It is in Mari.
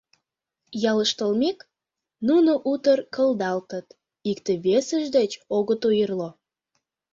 Ялыш толмек, нуно утыр кылдалтыт, икте-весышт деч огыт ойырло.